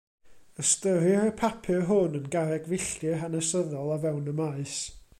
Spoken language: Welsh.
Ystyrir y papur hwn yn garreg filltir hanesyddol o fewn y maes.